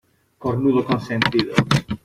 cornudo Consentido.